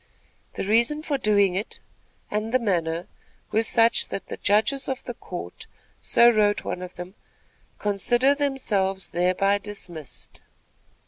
The reason for doing it and the manner were such, that the judges of the court, so wrote one of them, "consider themselves thereby dismissed."